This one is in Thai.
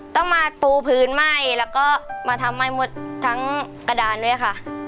ต้องมาปูพื้นไหม้แล้วก็มาทำให้หมดทั้งกระดานด้วยค่ะ